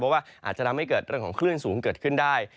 เพราะว่าอาจจะทำให้เกิดเรื่องของคลื่นสูงเกิดขึ้นได้